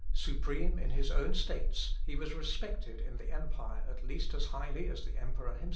Supreme in his own States, he was respected in the empire at least as highly as the emperor himself.